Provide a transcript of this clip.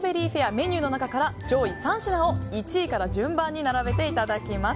メニューの中から上位３品を１位から順番に並べていただきます。